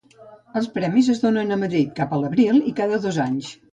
Els premis es donen a Madrid, cap a l'abril i cada dos anys.